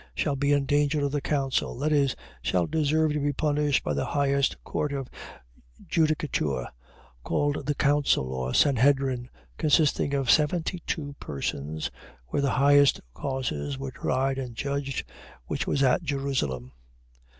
Shall be in danger of the council. . .That is, shall deserve to be punished by the highest court of judicature, called the Council, or Sanhedrim, consisting of seventy two persons, where the highest causes were tried and judged, which was at Jerusalem.